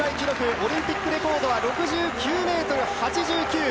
オリンピックレコードは６９ｍ８９。